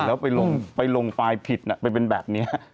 แล้วไปลงไฟล์ผิดน่ะเป็นแบบเนี้ย